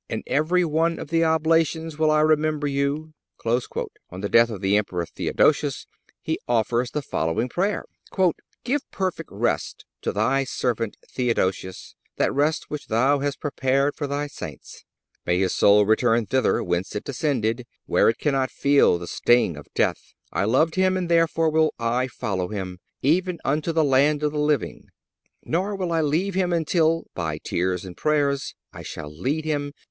In every one of the oblations will I remember you." On the death of the Emperor Theodosius he offers the following prayer: "Give perfect rest to Thy servant Theodosius, that rest which Thou hast prepared for Thy Saints. May his soul return thither whence it descended, where it cannot feel the sting of death.... I loved him and therefore will I follow him, even unto the land of the living. Nor will I leave him until, by tears and prayers, I shall lead him